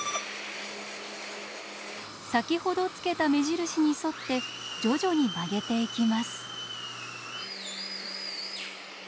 先ほどつけた目印に沿って徐々に曲げていきます。